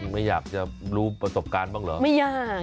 ไม่อยากจะรู้ประสบการณ์บ้างเหรอไม่ยาก